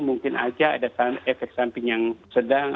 mungkin aja ada efek samping yang sedang